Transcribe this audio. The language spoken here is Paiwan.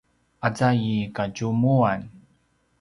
aza i kadjumuan